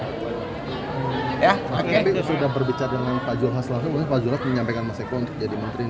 tapi sudah berbicara dengan pak jules langsung makanya pak jules menyampaikan mas eko untuk jadi menteri siap dp